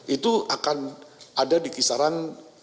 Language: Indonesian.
itu akan ada di kisaran lima satu